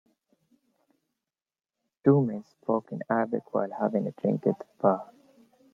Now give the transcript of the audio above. Two men spoke in Arabic while having a drink at the bar.